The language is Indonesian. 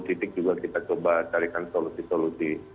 titik juga kita coba carikan solusi solusi